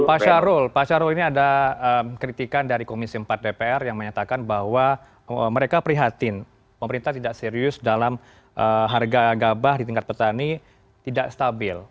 pak syarul pak syarul ini ada kritikan dari komisi empat dpr yang menyatakan bahwa mereka prihatin pemerintah tidak serius dalam harga gabah di tingkat petani tidak stabil